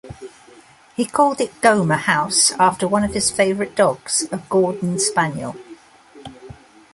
He called it Gomer House after one of his favourite dogs, a Gordon Spaniel.